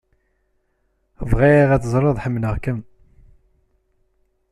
Bɣiɣ ad teẓreḍ ḥemmleɣ-kem.